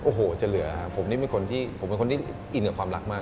โอ้โหจะเหลือครับผมเป็นคนที่อินกับความรักมาก